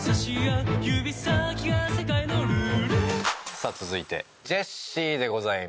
さあ続いてジェシーでございます。